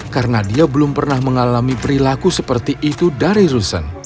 karena dia belum pernah mengalami perilaku seperti itu dari rusen